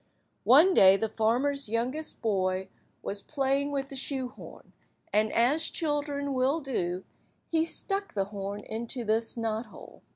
One day the farmer's youngest boy was playing with the shoe–horn, and, as children will do, he stuck the horn into this knot–hole.